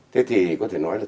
thế thì có thể nói là